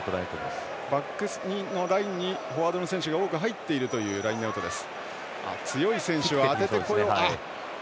バックスのラインにフォワードの選手が多く入っているというラインアウトです。